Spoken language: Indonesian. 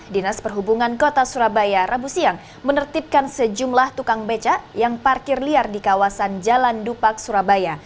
dinas perhubungan kota surabaya rabu siang menertibkan sejumlah tukang becak yang parkir liar di kawasan jalan dupak surabaya